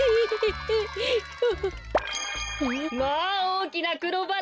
まあおおきなくろバラ。